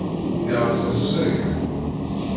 Yerreẓ-as usagem.